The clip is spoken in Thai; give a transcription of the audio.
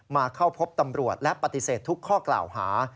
มาเข้าพบตำรวจและปฏิเสธทุกข้อกล่าวหา